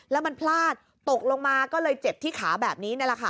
แล้วมันพลาดตกลงมาก็เลยเจ็บที่ขาแบบนี้นั่นแหละค่ะ